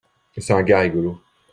C'est un gars rigolo.